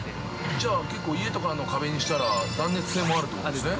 ◆じゃあ、結構家とかの壁にしたら断熱性もあるということですね。